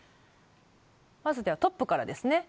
まずではトップからですね。